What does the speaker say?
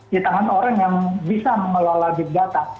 di tangan orang yang bisa mengelola big data